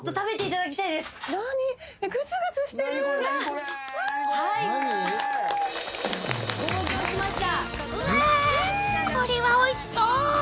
これはおいしそう］